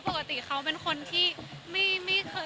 มีความสุขมากค่ะ